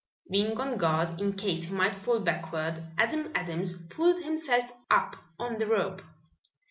Being on guard, in case he might fall backward, Adam Adams pulled himself up on the rope.